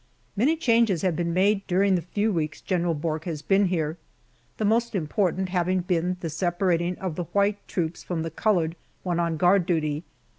Many changes have been made during the few weeks General Bourke has been here, the most important having been the separating of the white troops from the colored when on guard duty.